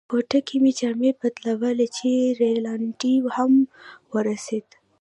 کوټه کې مې جامې بدلولې چې رینالډي هم را ورسېد.